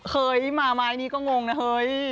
เฮ้ยมาไม้นี่ก็งงนะเฮ้ย